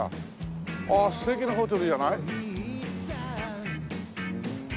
ああ素敵なホテルじゃない。